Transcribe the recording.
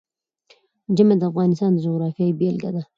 ژمی د افغانستان د جغرافیې بېلګه ده.